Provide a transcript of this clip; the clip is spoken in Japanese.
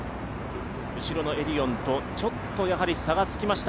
後ろのエディオンと差がつきました。